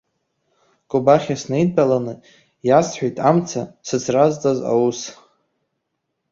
Кобахьиа снаидтәалан, иасҳәеит амца сыцразҵаз аус.